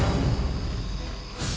jangan sampai kau mencabut kayu ini